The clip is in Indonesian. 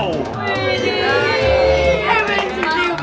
oh di tv